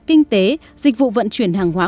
kinh tế dịch vụ vận chuyển hàng hóa